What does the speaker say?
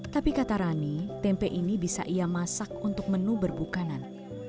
tapi kata rani tempe ini bisa ia masak untuk menu berbukanan